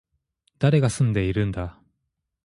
誰が住んでいるんだ